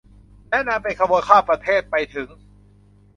แนะนำเป็นขบวนข้ามประเทศไปถึง